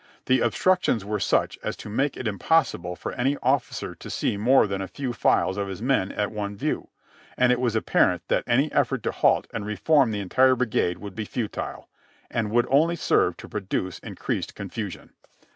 The obstructions were such as to make it impossible for any officer to see more than a few files of his men at one view, and it was apparent that any effort to halt and reform the entire brigade would be futile, and would only serve to produce increased confusion.